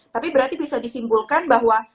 tapi berarti bisa disimpulkan bahwa